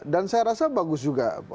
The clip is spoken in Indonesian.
dan saya rasa bagus juga